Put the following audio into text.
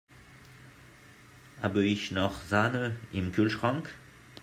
Habe ich noch Sahne im Kühlschrank?